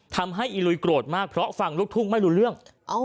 อีลุยโกรธมากเพราะฟังลูกทุ่งไม่รู้เรื่อง